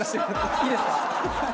いいですか？